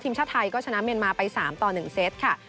ทีมชาติไทยก็ชนะเมียนมาไป๓ต่อ๑เซตค่ะ